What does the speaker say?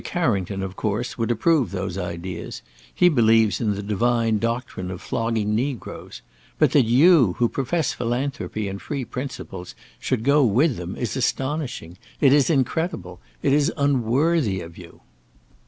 Carrington, of course, would approve those ideas; he believes in the divine doctrine of flogging negroes; but that you, who profess philanthropy and free principles, should go with them, is astonishing; it is incredible; it is unworthy of you."